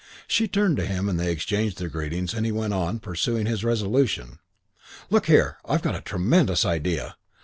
She turned to him and they exchanged their greetings and he went on, pursuing his resolution, "Look here, I've got a tremendous idea.